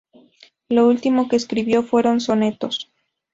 Lo último que escribió fueron sonetos.